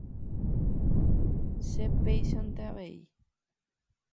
Che péichante avei.